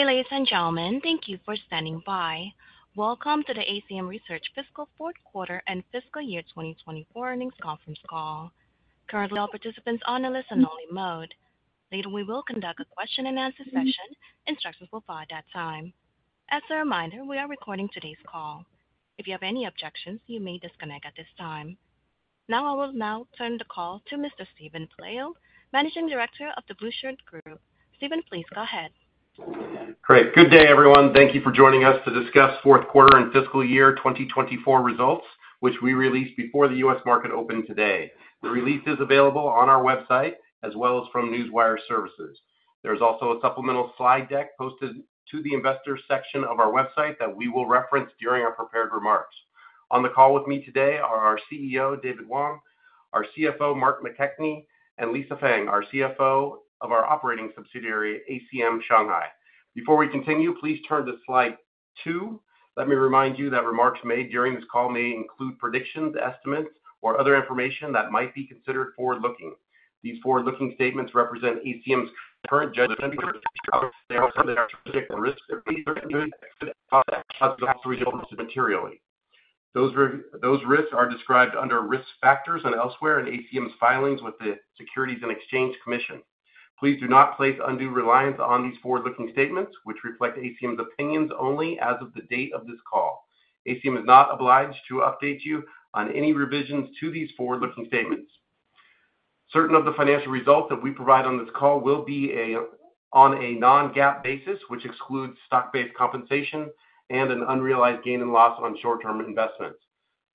Good day, ladies and gentlemen. Thank you for standing by. Welcome to the ACM Research Fiscal Fourth Quarter and Fiscal Year 2024 Earnings Conference Call. Currently, all participants are on a listen-only mode. Later, we will conduct a question-and-answer session. Instructions will follow at that time. As a reminder, we are recording today's call. If you have any objections, you may disconnect at this time. Now, I will turn the call to Mr. Steven Pelayo, Managing Director of The Blueshirt Group. Steven, please go ahead. Great. Good day, everyone. Thank you for joining us to discuss Fourth Quarter and Fiscal Year 2024 results, which we released before the U.S. market opened today. The release is available on our website as well as from Newswire Services. There's also a supplemental slide deck posted to the Investor section of our website that we will reference during our prepared remarks. On the call with me today are our CEO, David Wang, our CFO, Mark McKechnie, and Lisa Feng, our CFO of our operating subsidiary, ACM Shanghai. Before we continue, please turn to slide two. Let me remind you that remarks made during this call may include predictions, estimates, or other information that might be considered forward-looking. These forward-looking statements represent ACM's current judgment of the risks that may be associated with the results materially. Those risks are described under risk factors and elsewhere in ACM's filings with the Securities and Exchange Commission. Please do not place undue reliance on these forward-looking statements, which reflect ACM's opinions only as of the date of this call. ACM is not obliged to update you on any revisions to these forward-looking statements. Certain of the financial results that we provide on this call will be on a non-GAAP basis, which excludes stock-based compensation and an unrealized gain and loss on short-term investments.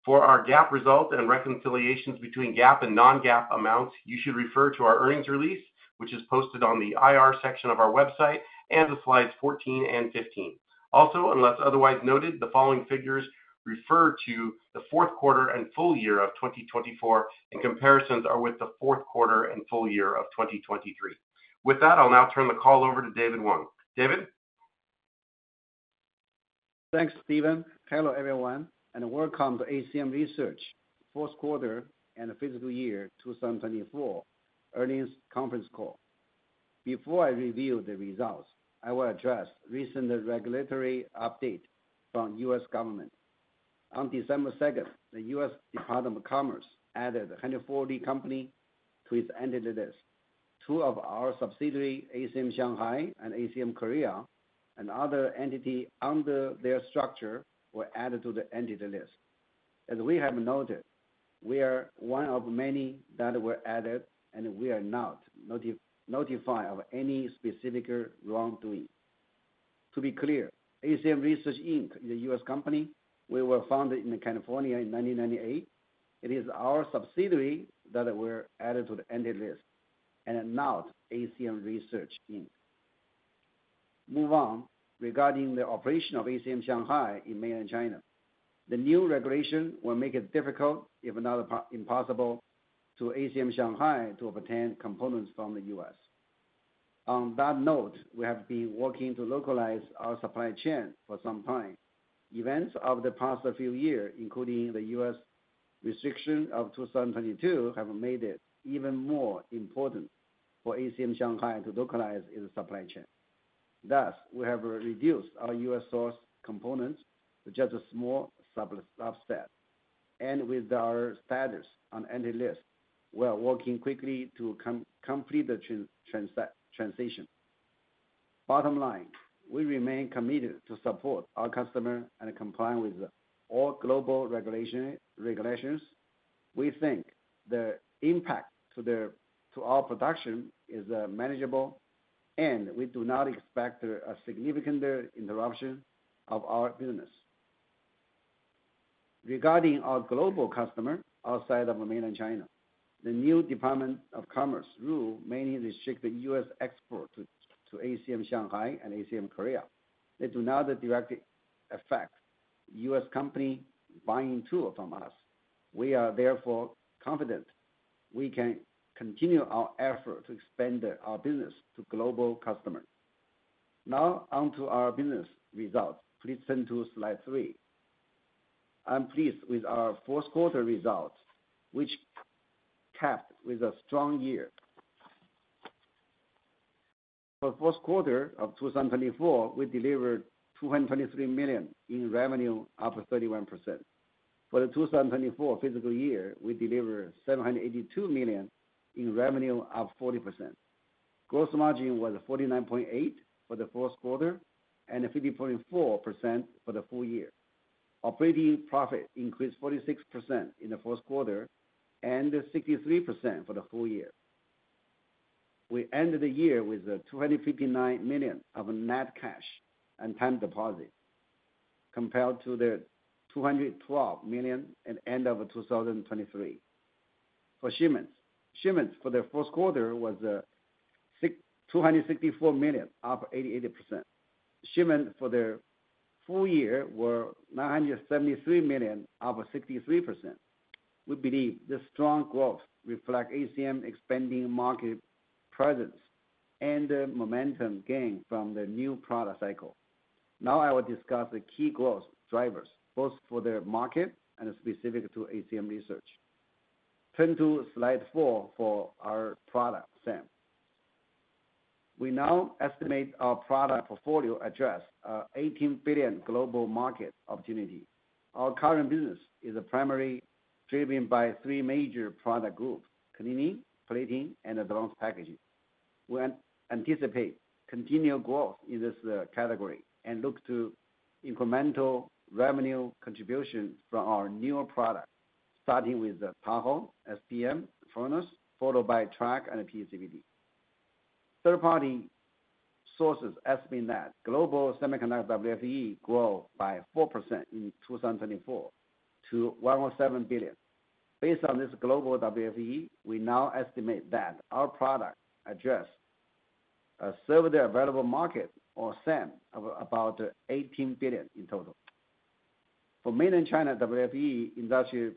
For our GAAP results and reconciliations between GAAP and non-GAAP amounts, you should refer to our earnings release, which is posted on the IR section of our website and the Slides 14 and 15. Also, unless otherwise noted, the following figures refer to the Fourth Quarter and Full Year of 2024, and comparisons are with the Fourth Quarter and Full Year of 2023. With that, I'll now turn the call over to David Wang. David? Thanks, Steven. Hello, everyone, and welcome to ACM Research Fourth Quarter and Fiscal Year 2024 Earnings Conference Call. Before I reveal the results, I will address recent regulatory updates from the U.S. government. On December 2nd, the U.S. Department of Commerce added 140 companies to its Entity List. Two of our subsidiaries, ACM Shanghai and ACM Korea, and other entities under their structure were added to the Entity List. As we have noted, we are one of many that were added, and we are not notified of any specific wrongdoing. To be clear, ACM Research Inc. is a U.S. company. We were founded in California in 1998. It is our subsidiary that we added to the Entity List and not ACM Research Inc. Move on. Regarding the operation of ACM Shanghai in mainland China, the new regulation will make it difficult, if not impossible, for ACM Shanghai to obtain components from the U.S. On that note, we have been working to localize our supply chain for some time. Events of the past few years, including the U.S. restriction of 2022, have made it even more important for ACM Shanghai to localize its supply chain. Thus, we have reduced our U.S.-sourced components to just a small subset. And with our status on the Entity List, we are working quickly to complete the transition. Bottom line, we remain committed to support our customers and comply with all global regulations. We think the impact to our production is manageable, and we do not expect a significant interruption of our business. Regarding our global customers outside of mainland China, the new Department of Commerce rule mainly restricts U.S. exports to ACM Shanghai and ACM Korea. It does not directly affect U.S. companies buying tools from us. We are therefore confident we can continue our effort to expand our business to global customers. Now, on to our business results. Please turn to Slide 3. I'm pleased with our Fourth Quarter results, which capped with a strong year. For the Fourth Quarter of 2024, we delivered $223 million in revenue, up 31%. For the 2024 Fiscal Year, we delivered $782 million in revenue, up 40%. Gross margin was 49.8% for the Fourth Quarter and 50.4% for the full year. Operating profit increased 46% in the Fourth Quarter and 63% for the full year. We ended the year with $259 million of net cash and time deposits, compared to the $212 million at the end of 2023. For shipments, shipments for the Fourth Quarter was $264 million, up 88%. Shipments for the full year were $973 million, up 63%. We believe this strong growth reflects ACM's expanding market presence and the momentum gained from the new product cycle. Now, I will discuss the key growth drivers, both for the market and specific to ACM Research. Turn to Slide 4 for our product SAM. We now estimate our product portfolio addresses an $18 billion global market opportunity. Our current business is primarily driven by three major product groups: cleaning, plating, and advanced packaging. We anticipate continued growth in this category and look to incremental revenue contributions from our newer products, starting with Tahoe, SPM, Furnace, followed by Track and PECVD. Third-party sources estimate that global semiconductor WFE grows by 4% in 2024 to $107 billion. Based on this global WFE, we now estimate that our products address a served available market, or SAM, of about $18 billion in total. For Mainland China, WFE industry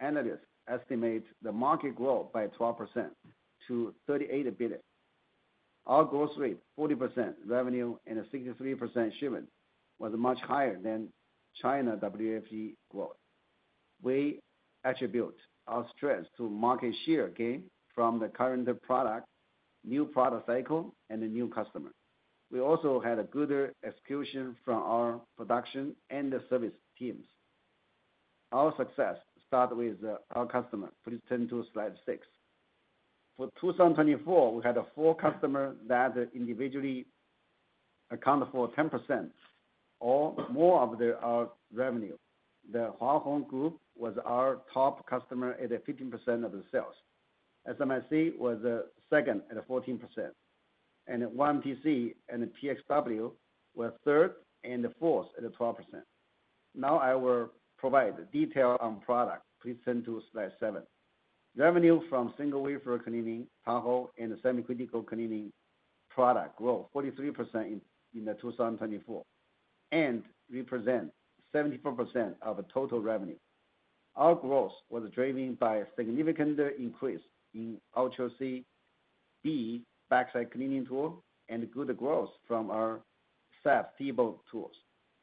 analysts estimate the market growth by 12% to $38 billion. Our growth rate, 40% revenue and 63% shipments, was much higher than China's WFE growth. We attribute our strength to market share gained from the current product, new product cycle, and new customers. We also had a good execution from our production and service teams. Our success started with our customers. Please turn to Slide 6. For 2024, we had four customers that individually accounted for 10% or more of our revenue. The Hua Hong Group was our top customer at 15% of the sales. SMIC was second at 14%, and YMTC and PXW were third and fourth at 12%. Now, I will provide detail on products. Please turn to slide seven. Revenue from single-wafer cleaning, Tahoe, and semi-critical cleaning products grew 43% in 2024 and represents 74% of total revenue. Our growth was driven by a significant increase in Ultra C b backside cleaning tools and good growth from our SAPS TEBO tools.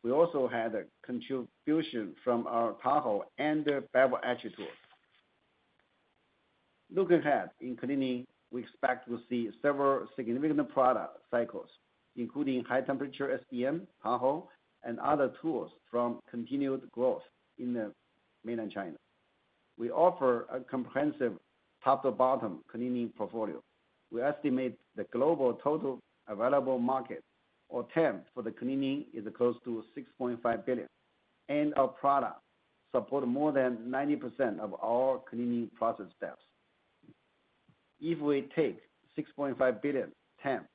We also had a contribution from our Tahoe and Bevel Etch tools. Looking ahead in cleaning, we expect to see several significant product cycles, including high-temperature SPM, Tahoe, and other tools, from continued growth in mainland China. We offer a comprehensive top-to-bottom cleaning portfolio. We estimate the global total available market, or TAM, for the cleaning is close to $6.5 billion. And our products support more than 90% of all cleaning process steps. If we take $6.5 billion TAM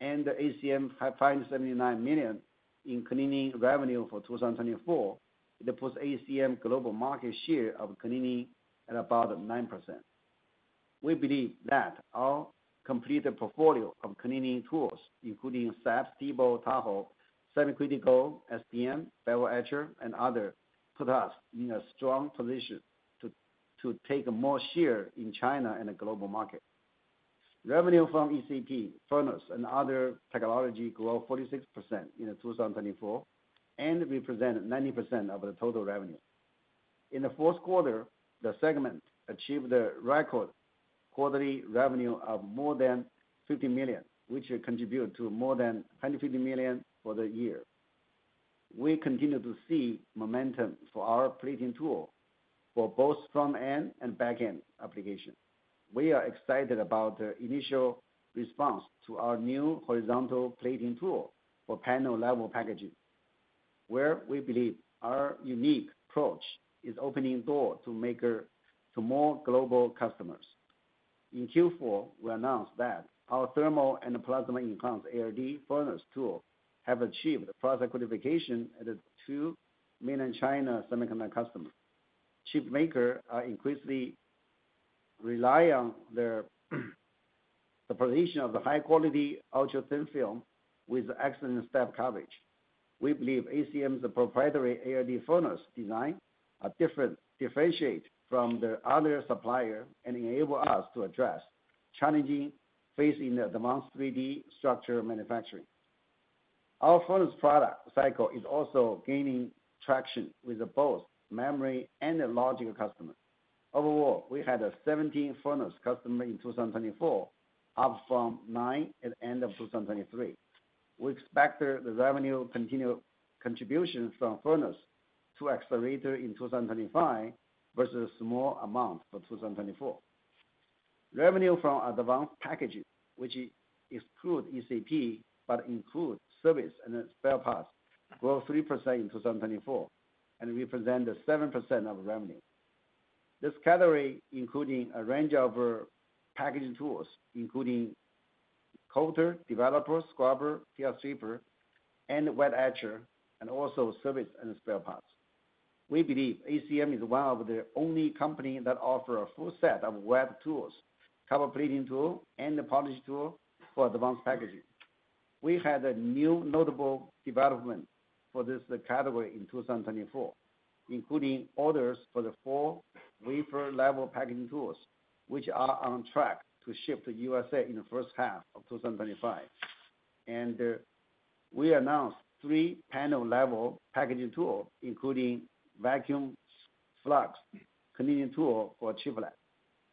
and ACM $579 million in cleaning revenue for 2024, it puts ACM's global market share of cleaning at about 9%. We believe that our complete portfolio of cleaning tools, including SAPS, TEBO, Tahoe, semi-critical SPM, Bevel Etcher, and others, put us in a strong position to take more share in China and the global market. Revenue from ECP, furnace, and other technology grew 46% in 2024 and represented 90% of the total revenue. In the Fourth Quarter, the segment achieved a record quarterly revenue of more than $50 million, which contributed to more than $150 million for the year. We continue to see momentum for our plating tool for both front-end and back-end applications. We are excited about the initial response to our new horizontal plating tool for panel-level packaging, where we believe our unique approach is opening doors to more global customers. In Q4, we announced that our thermal and plasma enhanced ALD furnace tool has achieved product certification at two mainland China semiconductor customers. Chip makers are increasingly relying on the supply of high-quality ultra-thin film with excellent step coverage. We believe ACM's proprietary ALD furnace designs differentiate from their other suppliers and enable us to address challenges faced in advanced 3D structure manufacturing. Our furnace product cycle is also gaining traction with both memory and logic customers. Overall, we had 17 furnace customers in 2024, up from nine at the end of 2023. We expect the revenue contribution from furnace to accelerate in 2025 versus a small amount for 2024. Revenue from advanced packaging, which excludes ECP but includes service and spare parts, grew 3% in 2024 and represents 7% of revenue. This category includes a range of packaging tools, including coater, developer, scrubber, PR stripper, and wet etcher, and also service and spare parts. We believe ACM is one of the only companies that offers a full set of wet tools, copper plating tools, and polishing tools for advanced packaging. We had a new notable development for this category in 2024, including orders for the four wafer-level packaging tools, which are on track to ship to the U.S. in the first half of 2025, and we announced three panel-level packaging tools, including vacuum flux cleaning tools for chiplets,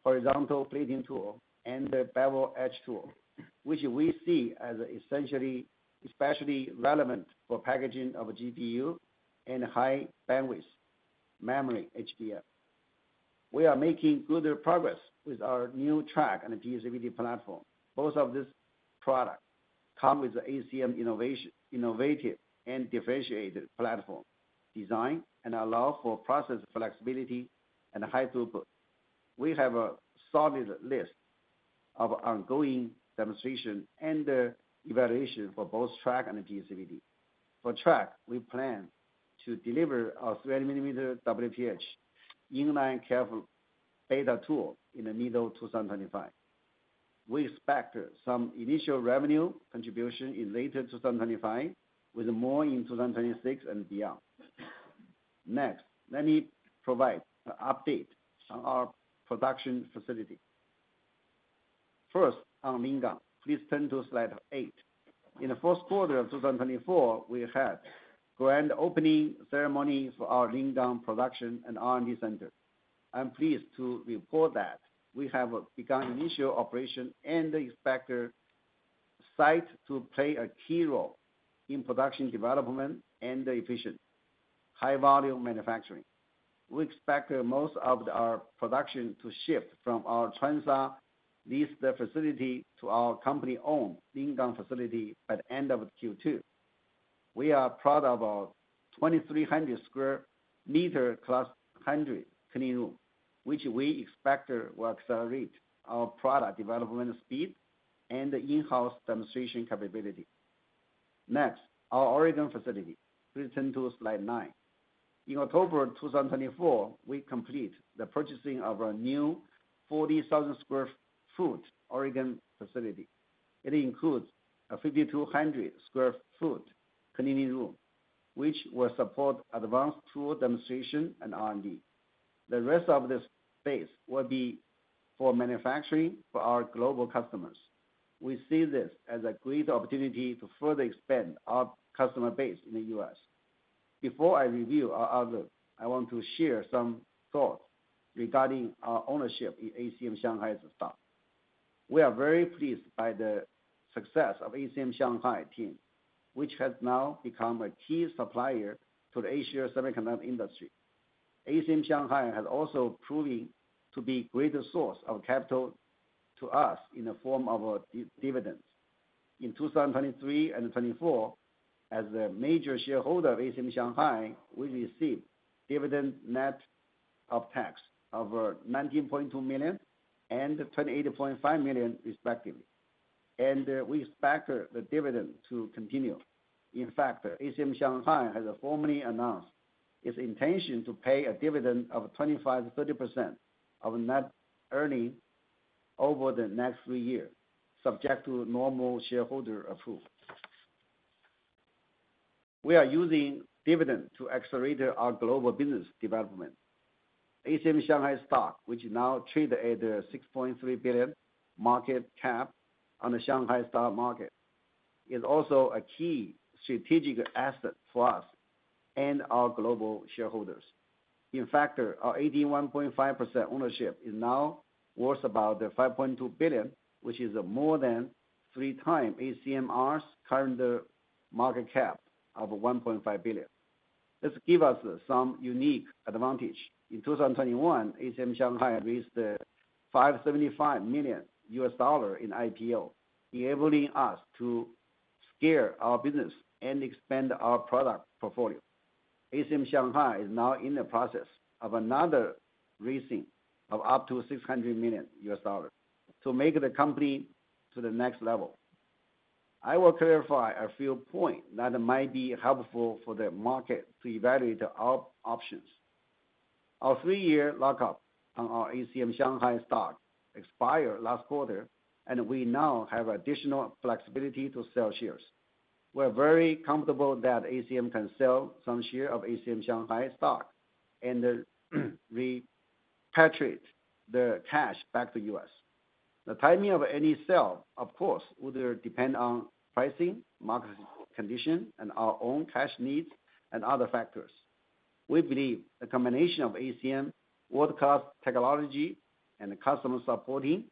horizontal plating tools, and Bevel Etch tools, which we see as especially relevant for packaging of GPU and high-bandwidth memory HBM. We are making good progress with our new Track and PECVD platforms. Both of these products come with ACM's innovative and differentiated platform design and allow for process flexibility and high throughput. We have a solid list of ongoing demonstrations and evaluations for both Track and PECVD. For Track, we plan to deliver our 30 WPH inline coater beta tool in the middle of 2025. We expect some initial revenue contribution in later 2025, with more in 2026 and beyond. Next, let me provide an update on our production facility. First, on Lingang, please turn to Slide 8. In the Fourth Quarter of 2024, we had a grand opening ceremony for our Lingang production and R&D center. I'm pleased to report that we have begun initial operations and expect the site to play a key role in production development and efficient high-volume manufacturing. We expect most of our production to shift from our Changsha leased facility to our company-owned Lingang facility by the end of Q2. We are proud of our 2,300 square meter Class 100 clean room, which we expect will accelerate our product development speed and in-house demonstration capability. Next, our Oregon facility. Please turn to slide nine. In October 2024, we completed the purchasing of our new 40,000 sq ft Oregon facility. It includes a 5,200 sq ft clean room, which will support advanced tool demonstration and R&D. The rest of this space will be for manufacturing for our global customers. We see this as a great opportunity to further expand our customer base in the U.S. Before I reveal our outlook, I want to share some thoughts regarding our ownership in ACM Shanghai's stock. We are very pleased by the success of the ACM Shanghai team, which has now become a key supplier to the Asian semiconductor industry. ACM Shanghai has also proven to be a great source of capital to us in the form of dividends. In 2023 and 2024, as a major shareholder of ACM Shanghai, we received dividend net of tax of $19.2 million and $28.5 million, respectively. We expect the dividend to continue. In fact, ACM Shanghai has formally announced its intention to pay a dividend of 25%-30% of net earnings over the next three years, subject to normal shareholder approval. We are using dividends to accelerate our global business development. ACM Shanghai stock, which now trades at a $6.3 billion market cap on the Shanghai stock market, is also a key strategic asset for us and our global shareholders. In fact, our 81.5% ownership is now worth about $5.2 billion, which is more than three times ACM's current market cap of $1.5 billion. This gives us some unique advantage. In 2021, ACM Shanghai raised $575 million in IPO, enabling us to scale our business and expand our product portfolio. ACM Shanghai is now in the process of another raising of up to $600 million to make the company to the next level. I will clarify a few points that might be helpful for the market to evaluate our options. Our three-year lock-up on our ACM Shanghai stock expired last quarter, and we now have additional flexibility to sell shares. We are very comfortable that ACM can sell some share of ACM Shanghai stock and repatriate the cash back to the U.S. The timing of any sale, of course, will depend on pricing, market conditions, our own cash needs, and other factors. We believe the combination of ACM's world-class technology and customer supporting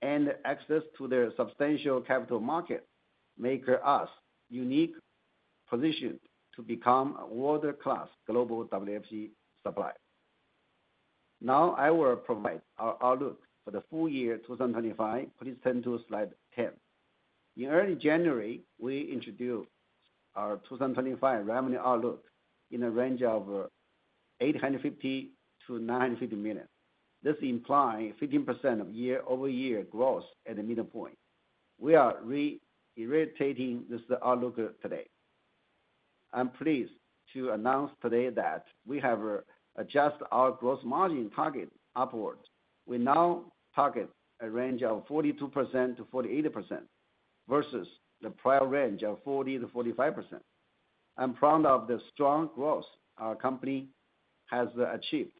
and access to the substantial capital markets makes us uniquely positioned to become a world-class global WFE supplier. Now, I will provide our outlook for the full year 2025. Please turn to slide 10. In early January, we introduced our 2025 revenue outlook in the range of $850 million-$950 million. This implies 15% of year-over-year growth at the midpoint. We are reiterating this outlook today. I'm pleased to announce today that we have adjusted our gross margin target upward. We now target a range of 42%-48% versus the prior range of 40%-45%. I'm proud of the strong growth our company has achieved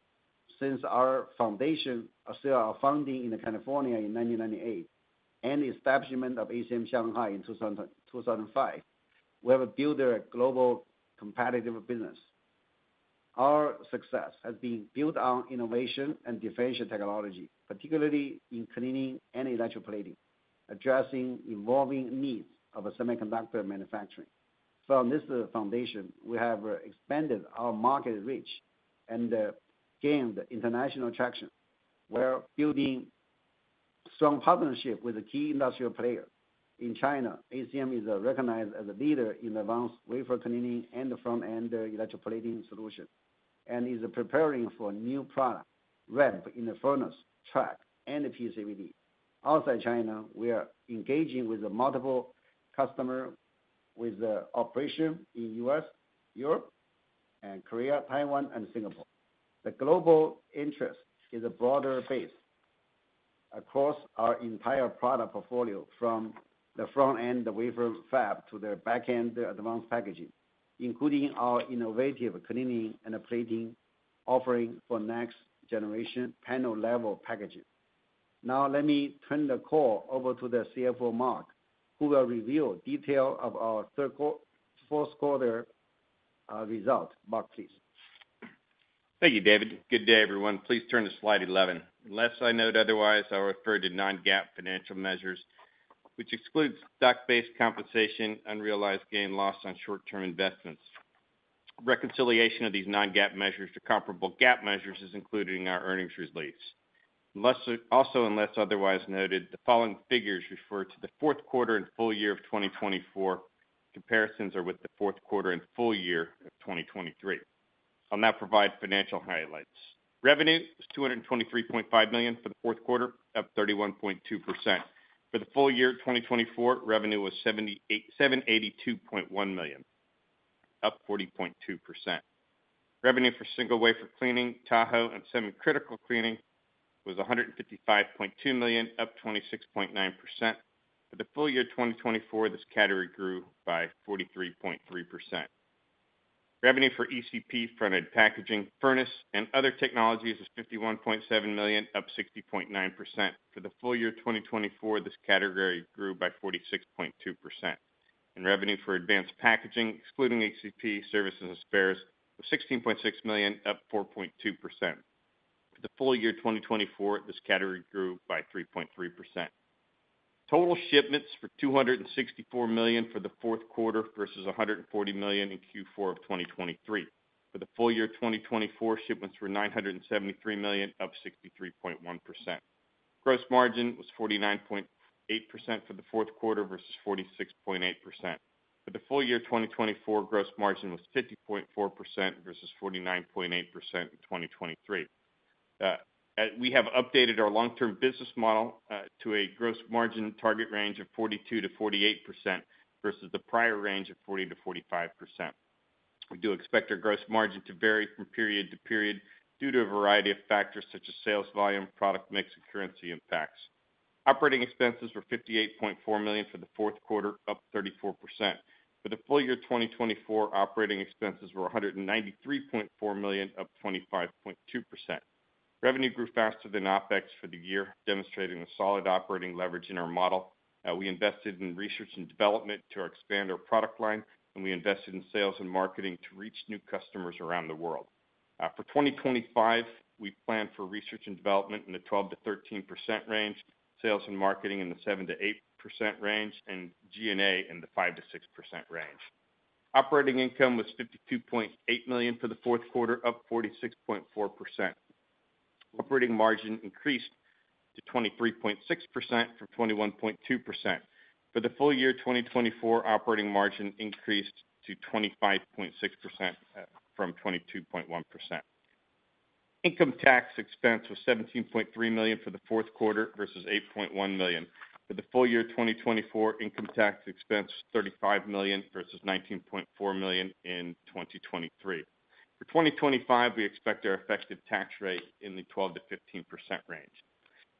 since our founding in California in 1998 and the establishment of ACM Shanghai in 2005. We have built a globally competitive business. Our success has been built on innovation and differentiated technology, particularly in cleaning and electrochemical plating, addressing evolving needs of semiconductor manufacturing. From this foundation, we have expanded our market reach and gained international traction. We are building strong partnerships with key industrial players. In China, ACM is recognized as a leader in advanced wafer cleaning and front-end electrochemical plating solutions and is preparing for new products: ramp in the furnace, track, and PECVD. Outside China, we are engaging with multiple customers with operations in the U.S., Europe, Korea, Taiwan, and Singapore. The global interest is a broader base across our entire product portfolio, from the front-end wafer fab to the back-end advanced packaging, including our innovative cleaning and plating offering for next-generation panel-level packaging. Now, let me turn the call over to the CFO, Mark, who will reveal details of our Fourth Quarter results. Mark, please. Thank you, David. Good day, everyone. Please turn to Slide 11. Unless I note otherwise, I'll refer to non-GAAP financial measures, which exclude stock-based compensation, unrealized gain, and loss on short-term investments. Reconciliation of these non-GAAP measures to comparable GAAP measures is included in our earnings release. Also, unless otherwise noted, the following figures refer to the Fourth Quarter and full year of 2024. Comparisons are with the Fourth Quarter and Full Year of 2023. I'll now provide financial highlights. Revenue was $223.5 million for the Fourth Quarter, up 31.2%. For the full year 2024, revenue was $782.1 million, up 40.2%. Revenue for single wafer cleaning, Tahoe, and semi-critical cleaning was $155.2 million, up 26.9%. For the full year 2024, this category grew by 43.3%. Revenue for ECP front-end packaging, furnace, and other technologies was $51.7 million, up 60.9%. For the full year 2024, this category grew by 46.2%. And revenue for advanced packaging, excluding ECP, services, and spares, was $16.6 million, up 4.2%. For the full year 2024, this category grew by 3.3%. Total shipments were $264 million for the Fourth Quarter versus $140 million in Q4 of 2023. For the full year 2024, shipments were $973 million, up 63.1%. Gross margin was 49.8% for the Fourth Quarter versus 46.8%. For the full year 2024, gross margin was 50.4% versus 49.8% in 2023. We have updated our long-term business model to a gross margin target range of 42%-48% versus the prior range of 40%-45%. We do expect our gross margin to vary from period to period due to a variety of factors such as sales volume, product mix, and currency impacts. Operating expenses were $58.4 million for the fourth quarter, up 34%. For the full year 2024, operating expenses were $193.4 million, up 25.2%. Revenue grew faster than OpEx for the year, demonstrating a solid operating leverage in our model. We invested in research and development to expand our product line, and we invested in sales and marketing to reach new customers around the world. For 2025, we plan for research and development in the 12%-13% range, sales and marketing in the 7%-8% range, and G&A in the 5%-6% range. Operating income was $52.8 million for the Fourth Quarter, up 46.4%. Operating margin increased to 23.6% from 21.2%. For the full year 2024, operating margin increased to 25.6% from 22.1%. Income tax expense was $17.3 million for the Fourth Quarter versus $8.1 million. For the full year 2024, income tax expense was $35 million versus $19.4 million in 2023. For 2025, we expect our effective tax rate in the 12%-15% range.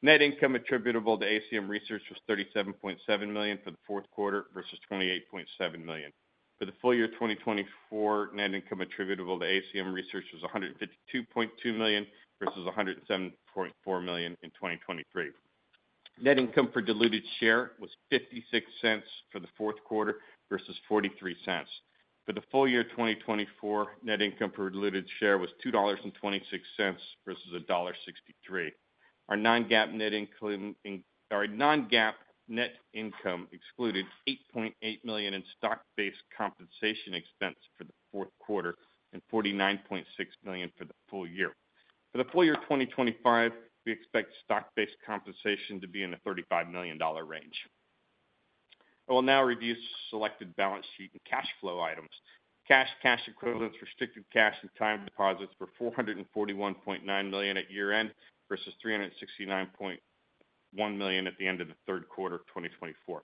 Net income attributable to ACM Research was $37.7 million for the Fourth Quarter versus $28.7 million. For the full year 2024, net income attributable to ACM Research was $152.2 million versus $107.4 million in 2023. Net income for diluted share was $0.56 for the Fourth Quarter versus $0.43. For the full year 2024, net income for diluted share was $2.26 versus $1.63. Our non-GAAP net income excluded $8.8 million in stock-based compensation expense for the Fourth Quarter and $49.6 million for the full year. For the Full Year 2025, we expect stock-based compensation to be in the $35 million range. I will now review selected balance sheet and cash flow items. Cash, cash equivalents, restricted cash, and time deposits were $441.9 million at year-end versus $369.1 million at the end of the Third Quarter of 2024.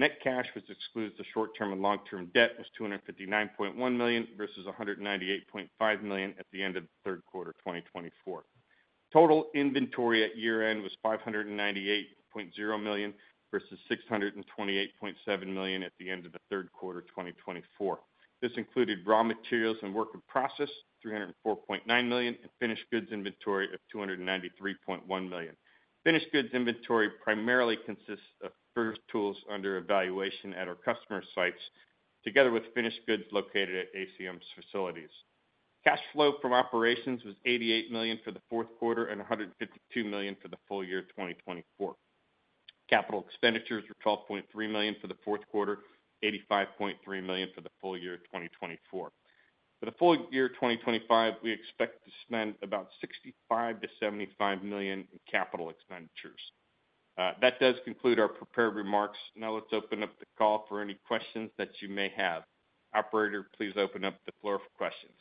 Net cash, which excludes the short-term and long-term debt, was $259.1 million versus $198.5 million at the end of the Third Quarter of 2024. Total inventory at year-end was $598.0 million versus $628.7 million at the end of the Third Quarter of 2024. This included raw materials and work in process, $304.9 million, and finished goods inventory of $293.1 million. Finished goods inventory primarily consists of our tools under evaluation at our customer sites, together with finished goods located at ACM's facilities. Cash flow from operations was $88 million for the Fourth Quarter and $152 million for the full year 2024. Capital expenditures were $12.3 million for the Fourth Quarter, $85.3 million for the full year 2024. For the full year 2025, we expect to spend about $65 million to $75 million in capital expenditures. That does conclude our prepared remarks. Now, let's open up the call for any questions that you may have. Operator, please open up the floor for questions.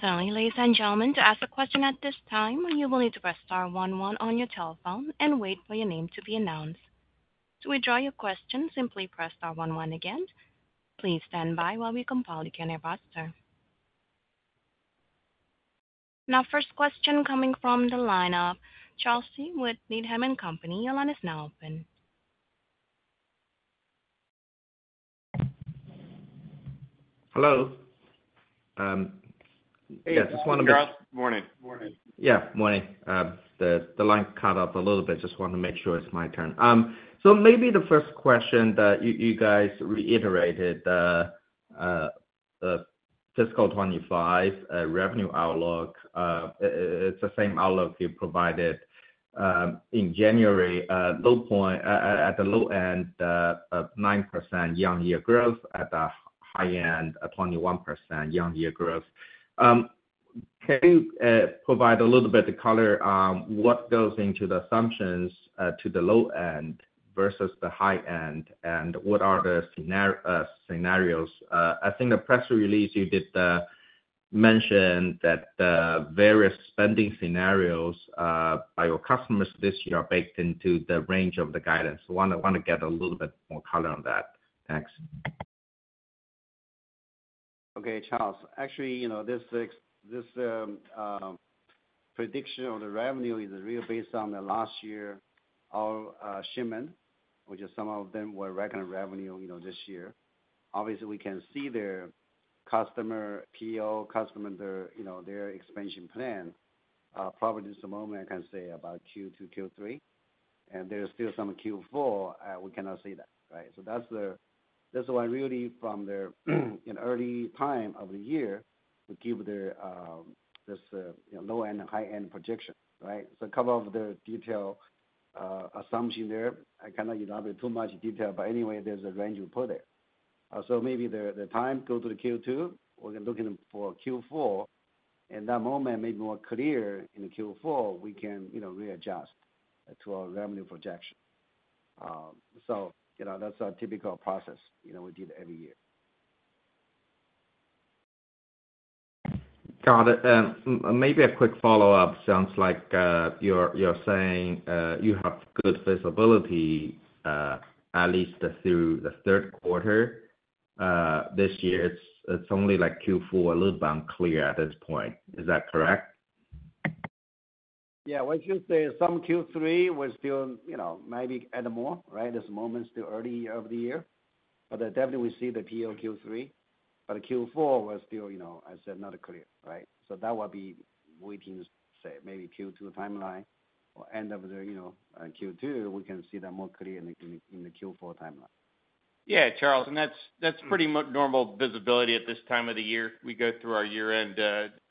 Thank you. Ladies and gentlemen, to ask a question at this time, you will need to press star one one on your telephone and wait for your name to be announced. To withdraw your question, simply press star one one again. Please stand by while we compile the Q&A roster. Now, first question coming from the line of Charles with Needham & Company. Your line is now open. Hello. Yes, just wanted to. Hey, Charles. Good morning. Morning. Yeah, morning. The line cut off a little bit. Just wanted to make sure it's my turn. So maybe the first question that you guys reiterated, the Fiscal 2025 revenue outlook, it's the same outlook you provided in January, at the low end of 9% year-on-year growth, at the high end, 21% year-on-year growth. Can you provide a little bit of color on what goes into the assumptions to the low end versus the high end, and what are the scenarios? I think the press release you did mention that the various spending scenarios by your customers this year are baked into the range of the guidance. I want to get a little bit more color on that. Thanks. Okay, Charles. Actually, this prediction of the revenue is really based on the last year of shipment, which is some of them were record revenue this year. Obviously, we can see their customer, PO customer, their expansion plan. Probably at this moment, I can say about Q2, Q3. And there's still some Q4 we cannot say that, right? So that's why really from the early time of the year, we give this low-end and high-end projection, right? So a couple of the detailed assumptions there. I cannot elaborate too much detail, but anyway, there's a range we put there. So maybe the time goes to Q2. We're looking for Q4. In that moment, maybe more clear in Q4, we can readjust to our revenue projection. So that's our typical process we did every year. Got it. Maybe a quick follow-up. Sounds like you're saying you have good visibility at least through the third quarter. This year, it's only like Q4 a little bit unclear at this point. Is that correct? Yeah. As you say, some Q3 was still maybe a bit more, right? At this moment, it's still early in the year. But definitely, we see the PO Q3. But Q4 was still, as I said, not clear, right? So that will be waiting, say, maybe Q2 timeline or end of the Q2, we can see that more clear in the Q4 timeline. Yeah, Charles. That's pretty normal visibility at this time of the year. We go through our year-end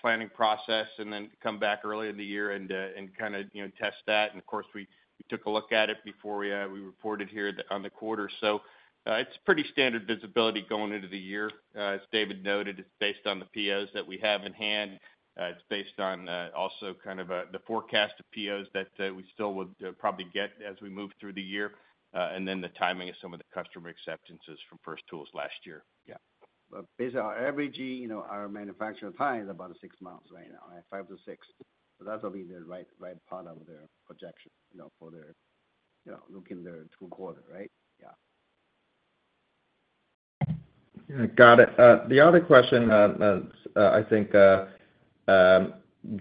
planning process and then come back early in the year and kind of test that. Of course, we took a look at it before we reported here on the quarter. It's pretty standard visibility going into the year. As David noted, it's based on the POs that we have in hand. It's based on also kind of the forecast of POs that we still would probably get as we move through the year. And then the timing of some of the customer acceptances from first tools last year. Yeah. Based on our average, our manufacturing time is about six months right now, right? Five to six. So that will be the right part of their projection for looking their Q4, right? Yeah. Got it. The other question, I think,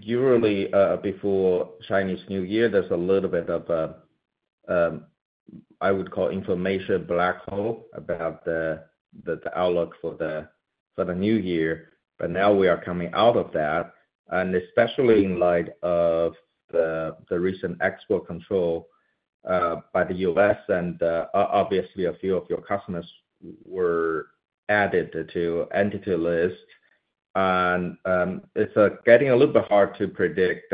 usually before Chinese New Year, there's a little bit of, I would call, information black hole about the outlook for the new year. But now we are coming out of that, and especially in light of the recent export control by the U.S., and obviously, a few of your customers were added to Entity List. And it's getting a little bit hard to predict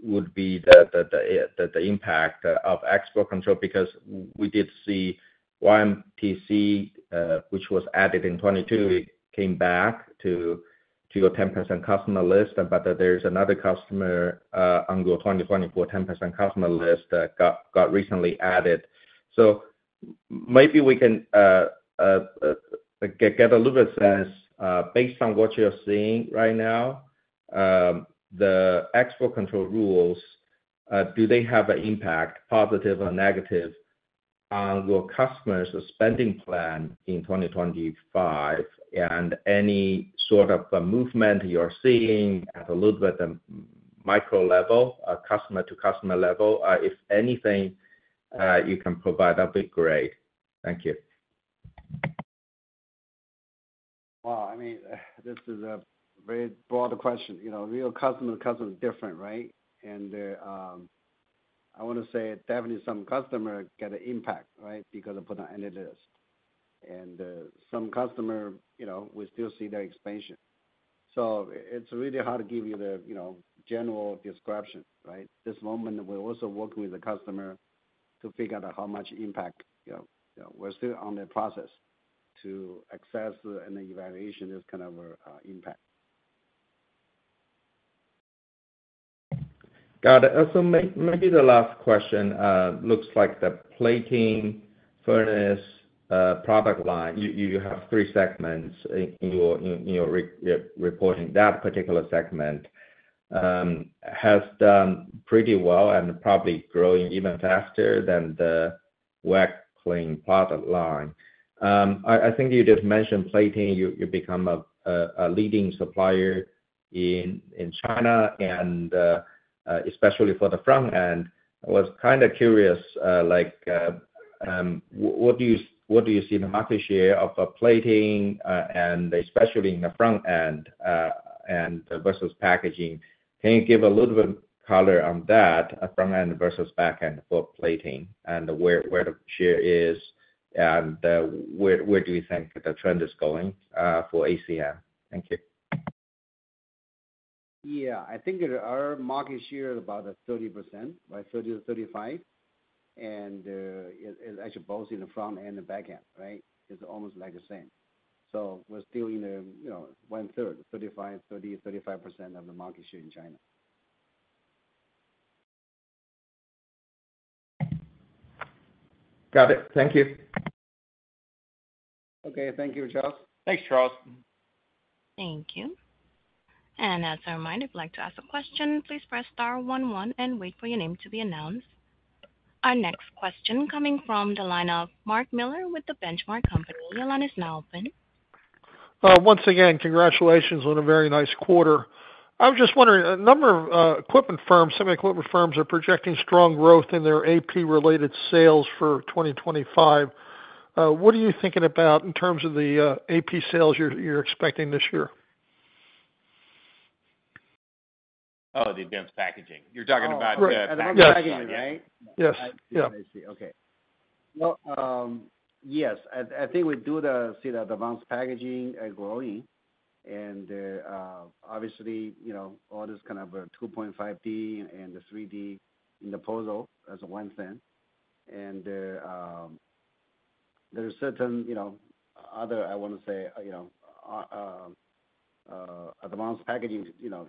what would be the impact of export control because we did see YMTC, which was added in 2022, came back to your 10% customer list. But there's another customer, in 2024, 10% customer list that got recently added. So maybe we can get a little bit sense based on what you're seeing right now, the export control rules, do they have an impact, positive or negative, on your customers' spending plan in 2025? And any sort of movement you're seeing at a little bit micro level, customer-to-customer level? If anything, you can provide that would be great. Thank you. Well, I mean, this is a very broad question. Real customer to customer is different, right? And I want to say definitely some customers get an impact, right, because they put on Entity List. And some customers, we still see their expansion. So it's really hard to give you the general description, right? At this moment, we're also working with the customer to figure out how much impact. We're still on the process to assess and evaluate this kind of impact. Got it. So maybe the last question looks like the plating, furnace, product line. You have three segments in your reporting. That particular segment has done pretty well and probably growing even faster than the wet clean product line. I think you just mentioned plating. You become a leading supplier in China, and especially for the front end. I was kind of curious, what do you see the market share of plating, and especially in the front end versus packaging? Can you give a little bit of color on that, front end versus back end for plating, and where the share is, and where do you think the trend is going for ACM? Thank you. Yeah. I think our market share is about 30%, right? 30%-35%. And it's actually both in the front end and back end, right? It's almost like the same. So we're still in the one-third, 35%, 30%, 35% of the market share in China. Got it. Thank you. Okay. Thank you, Charles. Thanks, Charles. Thank you. And as a reminder, if you'd like to ask a question, please press star one one and wait for your name to be announced. Our next question coming from the line of Mark Miller with The Benchmark Company. Your line is now open. Once again, congratulations on a very nice quarter. I was just wondering, a number of equipment firms, semi-equipment firms, are projecting strong growth in their AP-related sales for 2025. What are you thinking about in terms of the AP sales you're expecting this year? Oh, the advanced packaging. You're talking about the advanced packaging, right? Yes. Yes. I see. Okay. Well, yes. I think we do see the advanced packaging growing. And obviously, all this kind of 2.5D and 3D in the proposal as a one-thing. And there are certain other, I want to say, advanced packaging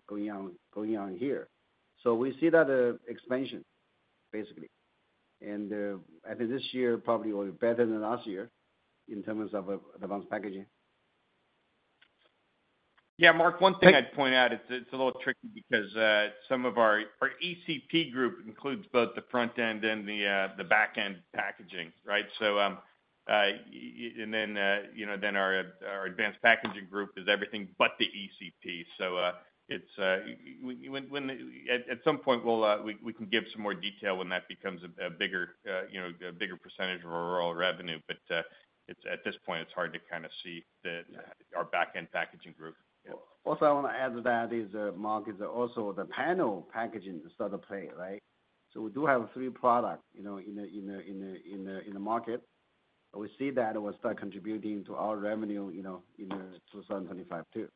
going on here. So we see that expansion, basically. And I think this year probably will be better than last year in terms of advanced packaging. Yeah. Mark, one thing I'd point out. It's a little tricky because some of our ECP group includes both the front end and the back end packaging, right? And then our advanced packaging group is everything but the ECP. So at some point, we can give some more detail when that becomes a bigger percentage of our overall revenue. But at this point, it's hard to kind of see our back end packaging group. Also, I want to add to that is Mark is also the panel packaging start to play, right? So we do have three products in the market. We see that will start contributing to our revenue in 2025 too.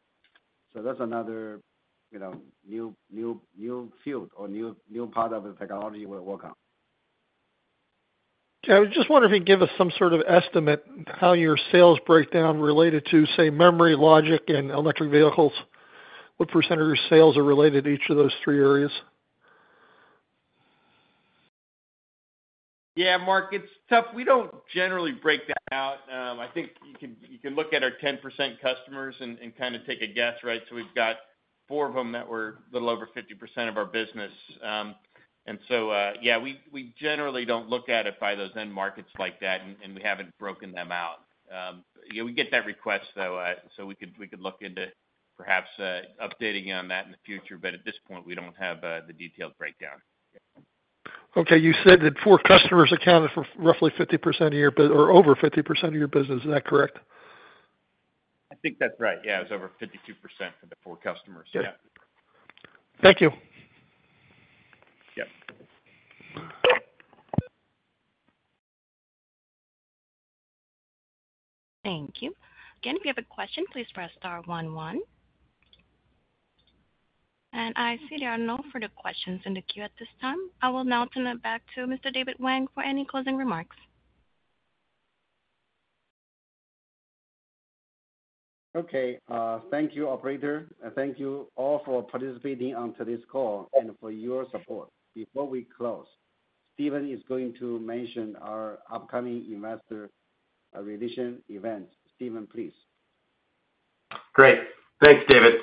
So that's another new field or new part of the technology we'll work on. I was just wondering if you could give us some sort of estimate how your sales breakdown related to, say, memory, logic, and electric vehicles. What % of your sales are related to each of those three areas? Yeah, Mark, it's tough. We don't generally break that out. I think you can look at our 10% customers and kind of take a guess, right? So we've got four of them that were a little over 50% of our business. And so, yeah, we generally don't look at it by those end markets like that, and we haven't broken them out. We get that request, though, so we could look into perhaps updating on that in the future. But at this point, we don't have the detailed breakdown. Okay. You said that four customers accounted for roughly 50% of your or over 50% of your business. Is that correct? I think that's right. Yeah, it was over 52% for the four customers. Yeah. Thank you. Yep. Thank you. Again, if you have a question, please press star one one, and I see there are no further questions in the queue at this time. I will now turn it back to Mr. David Wang for any closing remarks. Okay. Thank you, Operator, and thank you all for participating on today's call and for your support. Before we close, Steven is going to mention our upcoming investor relation event. Steven, please. Great. Thanks, David.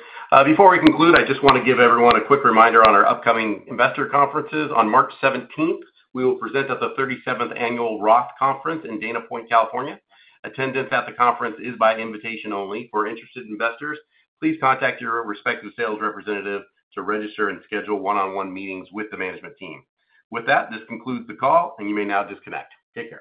Before we conclude, I just want to give everyone a quick reminder on our upcoming investor conferences. On March 17th, we will present at the 37th Annual Roth Conference in Dana Point, California. Attendance at the conference is by invitation only. For interested investors, please contact your respective sales representative to register and schedule one-on-one meetings with the management team. With that, this concludes the call, and you may now disconnect. Take care.